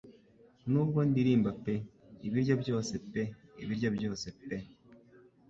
Nubwo ndirimba pe Ibiryo byose pe ibiryo byose pe